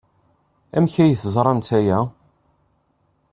Amek ay teẓramt aya?